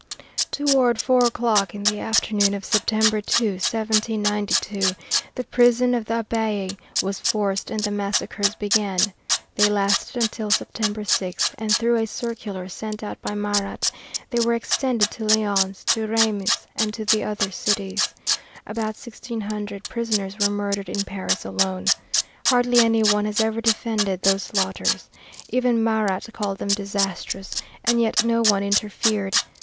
Toward four o'clock in the afternoon of September 2, 1792, the prison of the Abbaye was forced and the massacres began. They lasted until September 6, and through a circular sent out by Marat they were extended to Lyons, to Reims, and to other cities. About 1600 prisoners were murdered in Paris alone. Hardly any one has ever defended those slaughters. Even Marat called them "disastrous," and yet no one interfered.